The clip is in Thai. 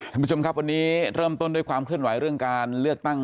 ท่านผู้ชมครับวันนี้เริ่มต้นด้วยความเคลื่อนไหวเรื่องการเลือกตั้ง